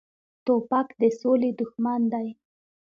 توپک د سولې دښمن دی.